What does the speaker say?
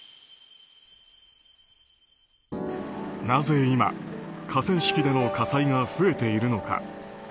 なぜ今、河川敷での火災が増えているのか。